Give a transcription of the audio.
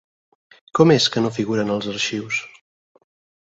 Com és que no figura en els arxius?